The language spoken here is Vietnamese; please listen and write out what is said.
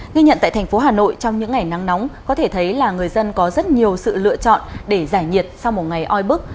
ghi nhận tại thành phố hà nội trong những ngày nắng nóng có thể thấy là người dân có rất nhiều sự lựa chọn để giải nhiệt sau một ngày oi bức